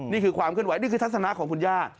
นี่คือความเคลื่อนนี่คือทัศนะของคุณย่า